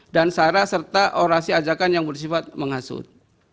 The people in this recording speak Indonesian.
sarah serta orasi ajakan yang bersifat menghasut